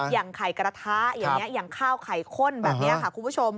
อย่างไข่กระทะอย่างนี้อย่างข้าวไข่ข้นแบบนี้ค่ะคุณผู้ชม